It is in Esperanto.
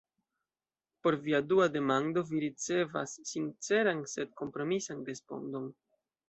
Por via dua demando vi ricevas sinceran sed kompromisan respondon.